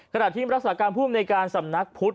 ขณะที่รักษาการผู้อำนวยการสำนักพุทธ